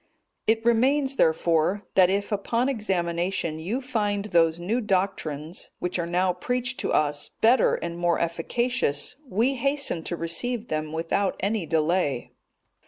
It remains, therefore, that if upon examination you find those new doctrines, which are now preached to us, better and more efficacious, we hasten to receive them without any delay."